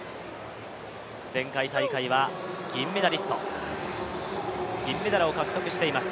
前回大会は銀メダリスト、銀メダルを獲得しています。